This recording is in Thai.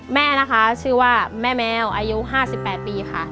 แม่นะคะชื่อว่าแม่แมวอายุ๕๘ปีค่ะ